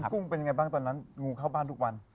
กุ้งเป็นยังไงบ้างตอนนั้นงูเข้าบ้านทุกวัน